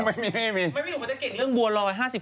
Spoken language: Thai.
ไม่มีมันจะเก่งเรื่องบัวรอย๕๐คุณ๕๐